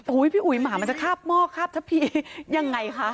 แล้วพี่อุ๋ยหมาจะคราบม่อคราบทะพียังไงค่ะ